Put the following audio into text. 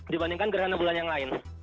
dibandingkan gerhana bulan yang lain